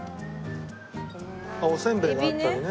おせんべいがあったりね。